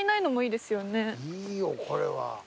いいよこれは。